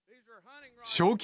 賞金